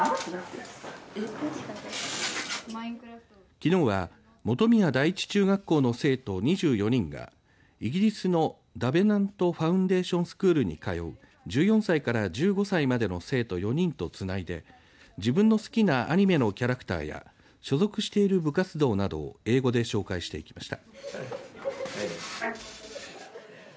きのうは本宮第一中学校の生徒２４人がイギリスのダヴェナント・ファウンデーション・スクールに通う１４歳から１５歳までの生徒４人とつないで自分の好きなアニメのキャラクターや所属している部活動などを英語で紹介していきました。